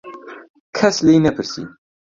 کەس لێی نەپرسی.